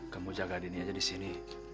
kamu jaga denny aja disini